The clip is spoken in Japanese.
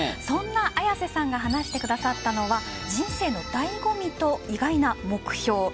そんな綾瀬さんが話してくださったのは人生の醍醐味と意外な目標。